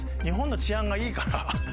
日本の治安がいいから。